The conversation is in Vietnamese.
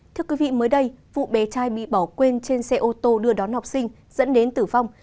thưa quý vị mới đây vụ bé trai bị bỏ quên trên xe ô tô đưa đón học sinh dẫn đến tử vong